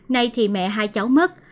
nay thì mẹ hai cháu mất